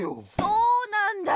そうなんだよ